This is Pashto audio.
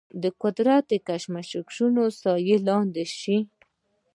قدرت کشمکشونو سیوري لاندې شوي.